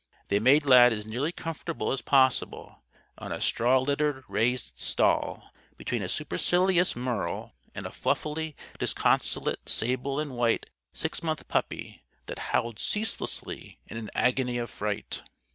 They made Lad as nearly comfortable as possible, on a straw littered raised stall; between a supercilious Merle and a fluffily disconsolate sable and white six month puppy that howled ceaselessly in an agony of fright.